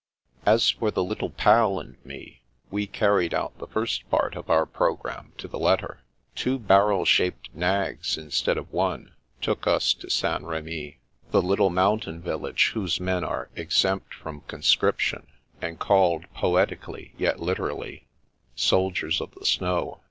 As for the Little Pal and me, we carried out the first part of our programme to the letter. Two barrel shaped nags instead of one took us to St. Rh6my, the little mountain village whose men are 164 The Princess Passes exempt from conscription, and called, poetically yet literally, " Soldiers of the Snow."